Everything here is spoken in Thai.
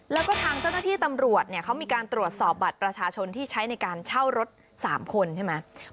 แล้วก็ทางเจ้าหน้าที่ตำรวจเนี่ยเขามีการตรวจสอบบัตรประชาชนที่ใช้ในการเช่ารถ๓คนใช่ไหม